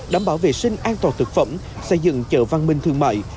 đảm bảo vệ sinh an toàn thực phẩm xây dựng chợ văn minh thương mại